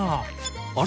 あれ？